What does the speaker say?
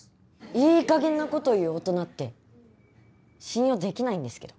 いいかげんなこと言う大人って信用できないんですけど。